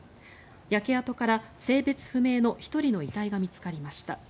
焼け跡から性別不明の１人の遺体が見つかりました。